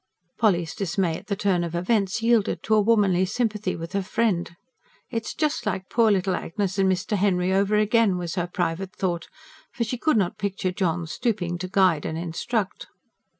Polly's dismay at the turn of events yielded to a womanly sympathy with her friend. "It's just like poor little Agnes and Mr. Henry over again," was her private thought. For she could not picture John stooping to guide and instruct.